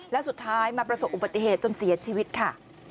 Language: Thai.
แล้วสุดท้ายมาประสบอุบัติเหตุจนเสียชีวิตค่ะ